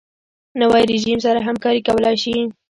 نوی رژیم سره همکاري کولای شي.